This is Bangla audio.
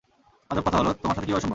আজব কথা হলো, তোমার সাথে কিভাবে সম্ভব?